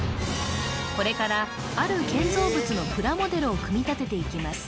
これからある建造物のプラモデルを組み立てていきます